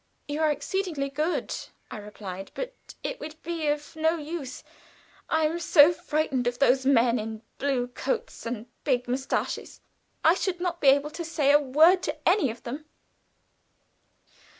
"You are exceedingly good," I replied, "but it would be of no use. I am so frightened of those men in blue coats and big mustaches. I should not be able to say a word to any of them."